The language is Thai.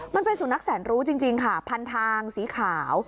มันเป็นสุนัขแสนรู้จริงค่ะพันทางสีขาว